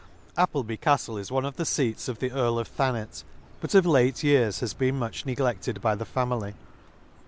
Appleby Castle is one of the feats of the Earl of Thanet, but of late years has been much negledted by the family.